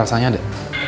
eh elsanya ada